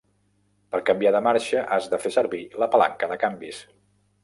Per canviar de marxa, has de fer servir la palanca de canvis